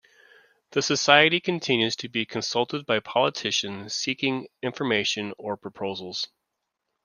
The Society continues to be consulted by politicians seeking information or proposals.